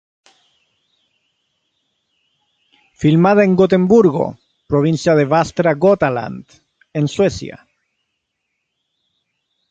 Filmada en Gotemburgo, Provincia de Västra Götaland, en Suecia.